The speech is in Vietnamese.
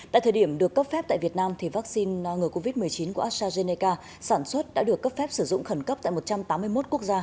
tại thời điểm được cấp phép tại việt nam vaccine ngừa covid một mươi chín của astrazeneca sản xuất đã được cấp phép sử dụng khẩn cấp tại một trăm tám mươi một quốc gia